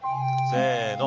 せの。